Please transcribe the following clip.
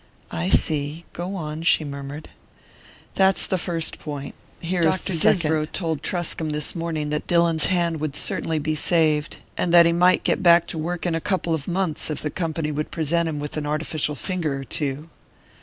"I see. Go on," she murmured. "That's the first point; here is the second. Dr. Disbrow told Truscomb this morning that Dillon's hand would certainly be saved, and that he might get back to work in a couple of months if the company would present him with an artificial finger or two."